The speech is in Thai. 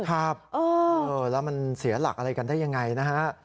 ครับแล้วมันเสียหลักอะไรกันได้ยังไงนะฮะ